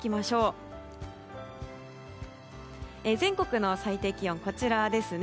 全国の最低気温、こちらです。